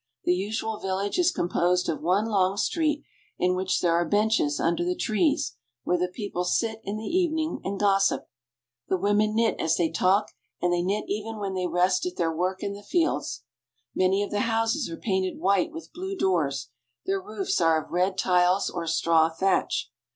The usual village is composed of one long street in which there are benches under the trees, where the people sit in the evening and gossip. The women knit as they talk, and they knit even when they rest at their work in the fields. Many of the houses are painted white, with blue doors ; their roofs are of red tiles or straw thatch.